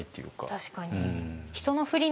確かに。